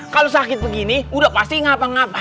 kalau sakit begini udah pasti ngapa ngapain